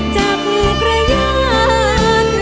จากกระยัน